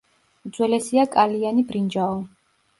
უძველესია კალიანი ბრინჯაო.